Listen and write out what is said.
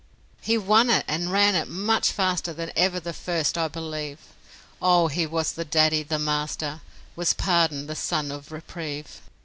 He won it, and ran it much faster Than even the first, I believe Oh, he was the daddy, the master, Was Pardon, the son of Reprieve.